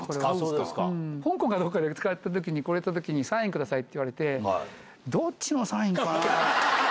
香港がどこかで使ったときに、こうやったときに、サインくださいって言われて、どっちのサインかな？